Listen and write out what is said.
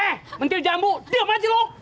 hei mentil jambu diam aja lo